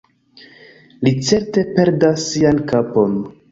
Li certe perdas sian kapon.